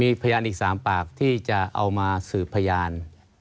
มีพยานอีก๓ปากที่จะเอามาสืบพยาน